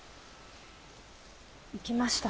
行きました。